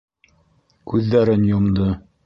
Күҙҙәрен йомдо.